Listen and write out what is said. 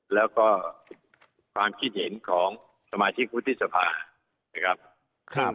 แล้วก็ความคิดเห็นของสมาชิกวุฒิสภานะครับ